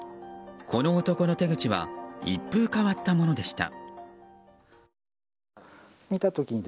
この男の手口は一風変わったものでした。